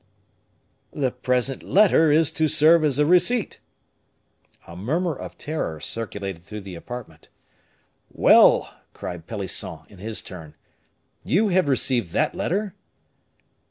"'The present letter is to serve as a receipt.'" A murmur of terror circulated through the apartment. "Well," cried Pelisson, in his turn, "you have received that letter?"